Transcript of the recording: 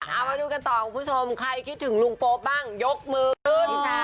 เอามาดูกันต่อคุณผู้ชมใครคิดถึงลุงโป๊ปบ้างยกมือขึ้น